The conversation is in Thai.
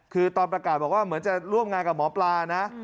คือตอนประกาศบอกว่าเหมือนจะร่วมงานกับหมอปลานะ